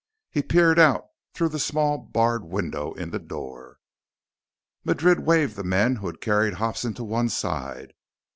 He peered out through the small barred window in the door. Madrid waved the men who had carried Hobson to one side.